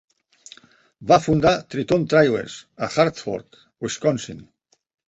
Va fundar Triton Trailers a Hartford, Wisconsin.